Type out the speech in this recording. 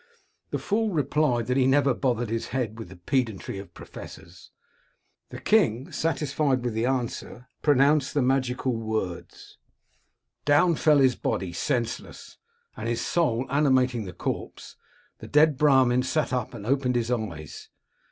The fool replied that he never bothered his head with the pedantry of professors. The king, satisfied with the answer, 'pronounced the magical words. 240 King Robert of Sicily Down fell his body, senseless, and his soul animating the corpse, the dead Brahmin sat up and opened his eyes.